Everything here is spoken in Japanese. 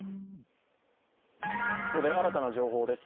ここで新たな情報です。